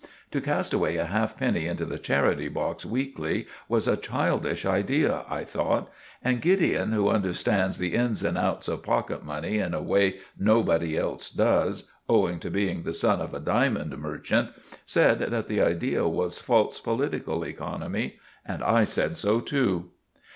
To cast away a half penny into the charity box weekly was a childish idea, I thought; and Gideon, who understands the ins and outs of pocket money in a way nobody else does, owing to being the son of a diamond merchant, said that the idea was false political economy; and I said so too.